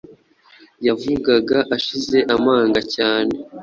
yavugaga ashize amanga cyane